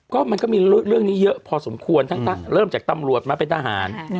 ก็มันก็มีเรื่องนี้เยอะพอสมควรทั้งเริ่มจากตำรวจมาเป็นทหาร